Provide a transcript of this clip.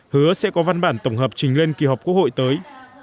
hứa sẽ có văn bản tổng hợp trình lên kỳ họp quốc hội tới